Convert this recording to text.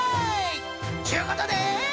ちゅうことで。